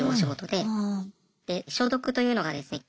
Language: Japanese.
で消毒というのがですね